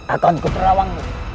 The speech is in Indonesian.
aku akan menceritakan